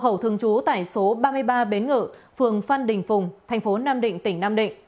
hậu thường trú tại số ba mươi ba bến ngự phường phan đình phùng thành phố nam định tỉnh nam định